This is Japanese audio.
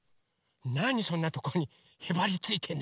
なにそんなとこにへばりついてんのよ。